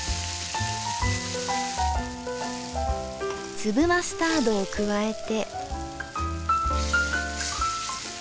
粒マスタードを加えて。